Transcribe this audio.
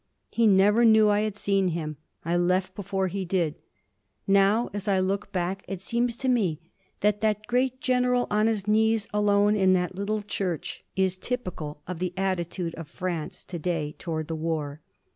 He never knew I had seen him. I left before he did. Now, as I look back, it seems to me that that great general on his knees alone in that little church is typical of the attitude of France to day toward the war.